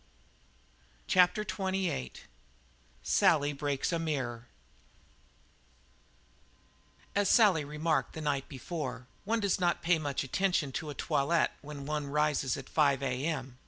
CHAPTER XXVIII SALLY BREAKS A MIRROR As Sally had remarked the night before, one does not pay much attention to a toilet when one rises at 5 a.m.